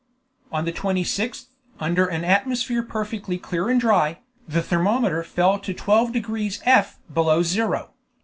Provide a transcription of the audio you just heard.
On the 26th, under an atmosphere perfectly clear and dry, the thermometer fell to 12 degrees F. below zero.